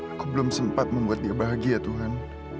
aku belum sempat membuat dia bahagia tuhan